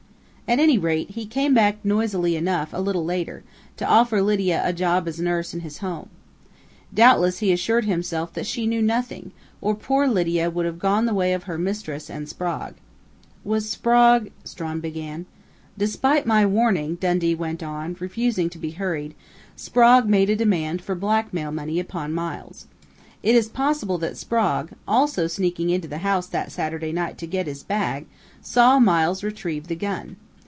At any rate, he came back noisily enough a little later, to offer Lydia a job as nurse in his home. Doubtless he assured himself that she knew nothing, or poor Lydia would have gone the way of her mistress and Sprague." "Was Sprague ?" Strawn began. "Despite my warning," Dundee went on, refusing to be hurried, "Sprague made a demand for blackmail money upon Miles. It is possible that Sprague, also sneaking into the house that Saturday night to get his bag, saw Miles retrieve the gun.